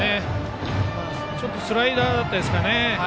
ちょっとスライダーだったでしょうかね。